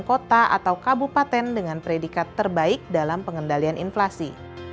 kota atau kabupaten dengan predikat terbaik dalam pengendalian inflasi